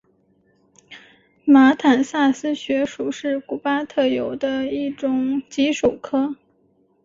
马坦萨斯穴鼠是古巴特有的一种棘鼠科。